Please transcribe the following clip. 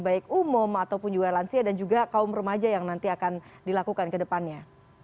baik umum ataupun juga lansia dan juga kaum remaja yang nanti akan dilakukan ke depannya